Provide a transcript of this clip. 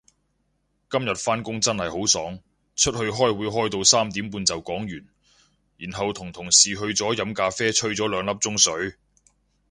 今日返工真係好爽，出去開會開到三點半就講完，然後同同事去咗飲咖啡吹咗兩粒鐘水